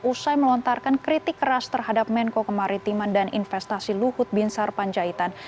usai melontarkan kritik keras terhadap menko kemaritiman dan investasi luhut binsar panjaitan